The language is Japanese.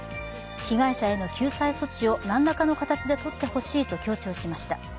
被害者への救済措置を何らかの形で取ってほしいと強調しました。